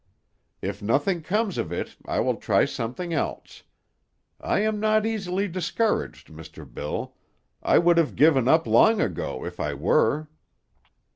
If nothing comes of it, I will try something else. I am not easily discouraged, Mr. Bill; I would have given up long ago if I were."